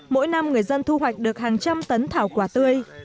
mỗi năm người dân thu hoạch được hàng trăm tấn thảo quả tươi